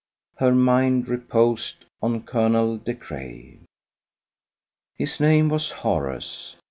Her mind reposed on Colonel De Craye. His name was Horace.